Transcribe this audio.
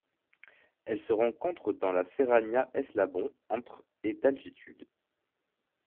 Elle se rencontre dans la Serrania Eslabon entre et d'altitude.